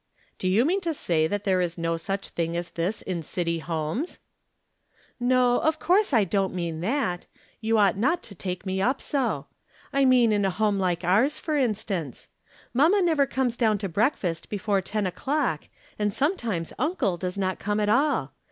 " Do you mean to say that there is no such thing as this in city homes ?"" Xo, of course I don"t mean that. Tou ought not to take me up so. I mean in a home like From Different Standpoints. 99 ours, for instance. Mamma never comes down to breakfast before ten o'clock, and sometimes uncle does not come at all.